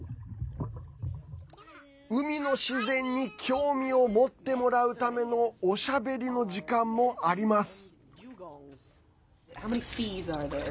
海の自然に興味を持ってもらうためのおしゃべりの時間もあります。